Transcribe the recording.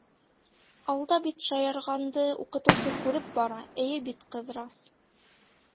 — Алда бит шаярғанды уҡытыусы күреп бара, эйе бит, Ҡыҙырас.